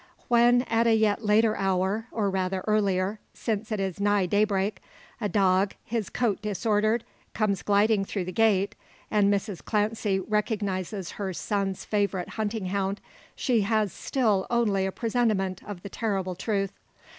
When, at a yet later hour or rather earlier, since it is nigh daybreak a dog, his coat disordered, comes gliding through the gate, and Mrs Clancy recognises her son's favourite hunting hound, she has still only a presentiment of the terrible truth.